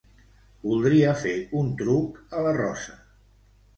Voldria fer un truc a la Rosa.